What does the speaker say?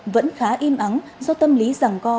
vẫn khá im ắng do tâm lý rằng co